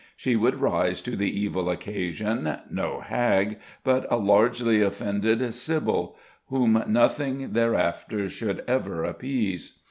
She would rise to the evil occasion, no hag, but a largely offended sibyl, whom nothing thereafter should ever appease.